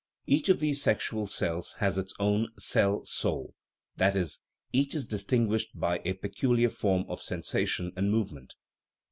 Each of these sexual cells has its own " cell soul" that is, each is distinguished by a peculiar form of sensation and movement.